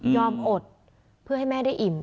อดเพื่อให้แม่ได้อิ่ม